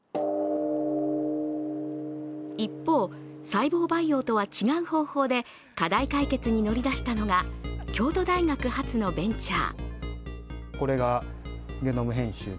一方、細胞培養とは違う方法で課題解決に乗り出したのが京都大学発のベンチャー。